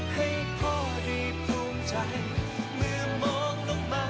ให้พ่อได้ภูมิใจเมื่อมองลงมา